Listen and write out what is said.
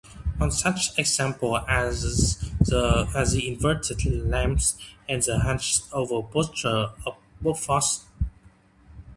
One such example are the inverted limbs and hunched-over posture of Bob Fosse.